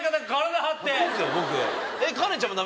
僕。